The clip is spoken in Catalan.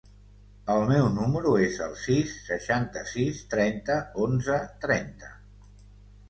El meu número es el sis, seixanta-sis, trenta, onze, trenta.